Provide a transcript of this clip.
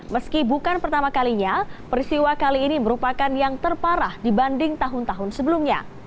meski bukan pertama kalinya peristiwa kali ini merupakan yang terparah dibanding tahun tahun sebelumnya